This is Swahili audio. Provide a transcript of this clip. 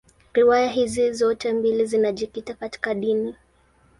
Riwaya hizi zote mbili zinajikita katika dini.